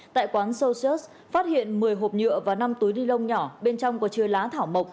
tại quán socials phát hiện một mươi hộp nhựa và năm túi đi lông nhỏ bên trong có chơi lá thảo mộc